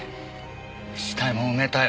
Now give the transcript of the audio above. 死体も埋めたよ。